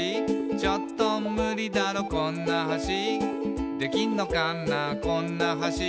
「ちょっとムリだろこんな橋」「できんのかなこんな橋」